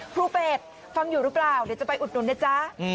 เป็ดฟังอยู่หรือเปล่าเดี๋ยวจะไปอุดหนุนนะจ๊ะ